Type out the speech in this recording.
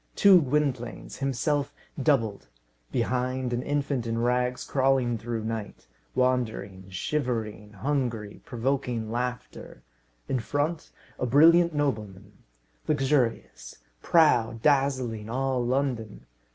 Two Gwynplaines, himself doubled; behind, an infant in rags crawling through night wandering, shivering, hungry, provoking laughter; in front, a brilliant nobleman luxurious, proud, dazzling all London.